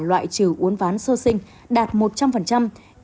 tỉ lệ tiêm chủng mở rộng loại trừ uốn ván sơ sinh đạt một trăm linh